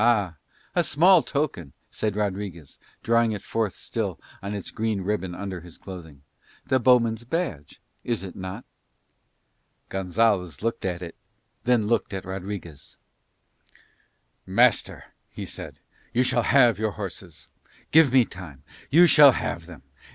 "Ah, a small token," said Rodriguez, drawing it forth still on its green ribbon under his clothing. "The bowman's badge, is it not?" Gonzalez looked at it, then looked at Rodriguez. "Master," he said, "you shall have your horses. Give me time: you shall have them.